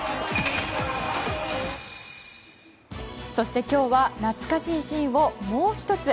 そして、今日は懐かしいシーンを、もう１つ。